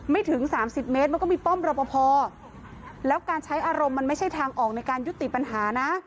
ถึงสามสิบเมตรมันก็มีป้อมรอปภแล้วการใช้อารมณ์มันไม่ใช่ทางออกในการยุติปัญหานะ